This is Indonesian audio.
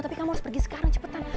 tapi kamu harus pergi sekarang cepetan